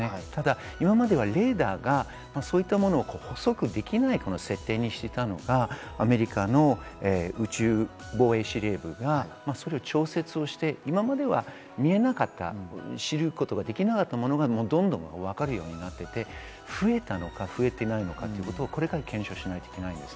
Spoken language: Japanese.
今まではレーダーがそういったものを捕捉できない設定にしていたのがアメリカの宇宙防衛司令部が調節して今までは見えなかった、知ることができなかったものがどんどん分かるようになっていて、増えたのか増えていないのか、これから検証しないといけないです。